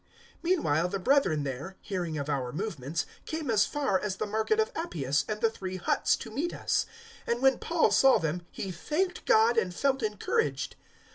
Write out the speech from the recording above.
028:015 Meanwhile the brethren there, hearing of our movements, came as far as the Market of Appius and the Three Huts to meet us; and when Paul saw them he thanked God and felt encouraged.